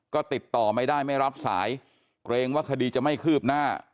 ก็ติดต่อไม่ได้ไม่รับสายเกรงว่าคดีจะไม่คืบหน้า